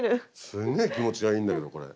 すんげえ気持ちがいいんだけどこれ。